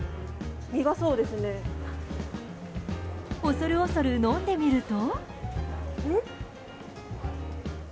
恐る恐る飲んでみると。